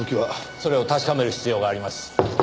それを確かめる必要があります。